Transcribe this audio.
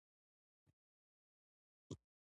زرغون خان نورزي په "نوزاد" کښي اوسېدﺉ.